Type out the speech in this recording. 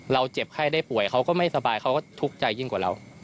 เจ็บไข้ได้ป่วยเขาก็ไม่สบายเขาก็ทุกข์ใจยิ่งกว่าเรา